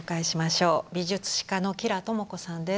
美術史家の吉良智子さんです。